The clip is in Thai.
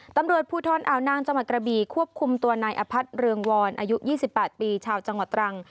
ตำรวจผู้ท้อนอาวนางจำกระบีควบคุมตัวนายอภัทรเรืองวรอายุยี่สิบแปดปีชาวจังหวัดตรัง